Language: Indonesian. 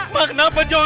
mak kenapa john